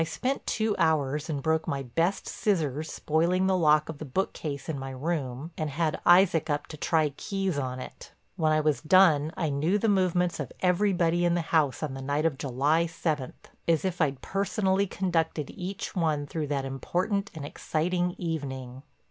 I spent two hours and broke my best scissors spoiling the lock of the bookcase in my room and had Isaac up to try keys on it. When I was done I knew the movements of everybody in the house on the night of July seventh as if I'd personally conducted each one through that important and exciting evening.